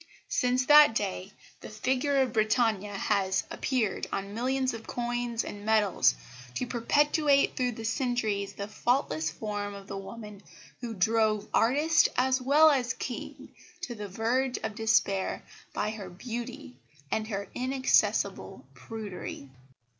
Since that day the figure of Britannia has appeared on millions of coins and medals to perpetuate through the centuries the faultless form of the woman who drove artist as well as King to the verge of despair by her beauty and her inaccessible prudery.